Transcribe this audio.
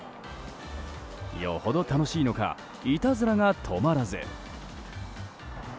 よほど楽しいのかいたずらが止まらず。